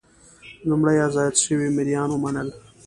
لومړی ازاد شوي مریان ومنل.